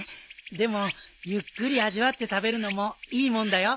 でもゆっくり味わって食べるのもいいもんだよ。